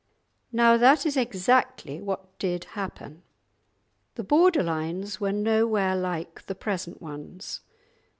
Now that is exactly what did happen. The border lines were nowhere like the present ones.